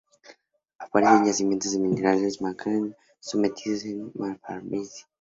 Aparece en yacimientos de minerales de manganeso sometidos a metamorfismo.